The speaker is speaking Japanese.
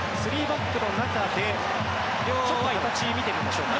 ３バックの中でちょっと形を見てみましょう。